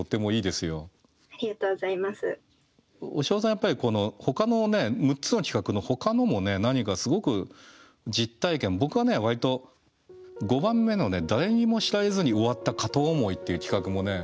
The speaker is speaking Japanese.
やっぱりこのほかの６つの企画のほかのもね何かすごく実体験僕はね割と５番目のね「誰にも知られずに終わった片想い」っていう企画もね